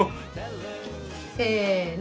せの。